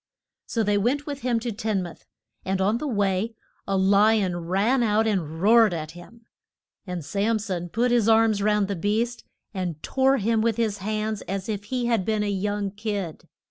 So they went with him to Tin muth. And on the way a li on ran out and roared at him. And Sam son put his arms round the beast and tore him with his hands as if he had been a young kid.